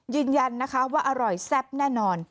ยืนยันนะคะว่าอร่อยแซ่บแน่นอน